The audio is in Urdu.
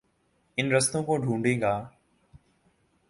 ان رستوں کو ڈھونڈے گا۔